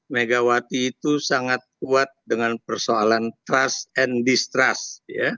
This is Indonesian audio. megawati itu sangat kuat dengan persoalan trust and distrust